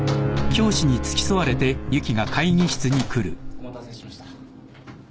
お待たせしました。